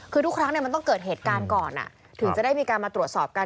คือทุกครั้งมันต้องเกิดเหตุการณ์ก่อนถึงจะได้มีการมาตรวจสอบกัน